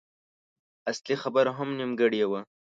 اصلي خبره هم نيمګړې وه.